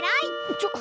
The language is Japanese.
ちょっ。